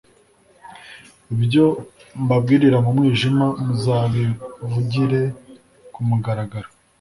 Ibyo mbabwirira mu mwijima muzabivugire ku mugaragaro